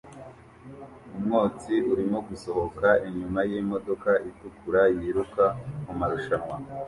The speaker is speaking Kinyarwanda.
Umwotsi urimo gusohoka inyuma yimodoka itukura yiruka mumarushanwa